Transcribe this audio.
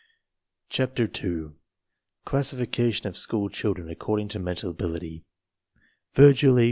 CHAPTER TWO Classification of School Children According to Mental Ability Virgil E.